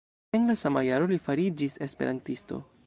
En la sama jaro li fariĝis esperantisto.